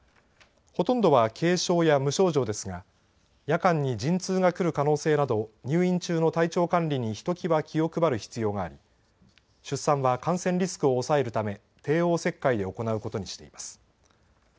ほとんどは軽症や無症状ですが夜間に陣痛が来る可能性など入院中の体調管理にひときわ気を配る必要があり出産は感染リスクを抑えるため帝王切開で行うことにしています。